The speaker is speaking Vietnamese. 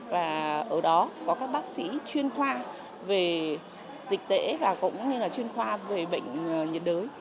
và ở đó có các bác sĩ chuyên khoa về dịch tễ và cũng như là chuyên khoa về bệnh nhiệt đới